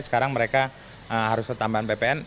sekarang mereka harus ketambahan ppn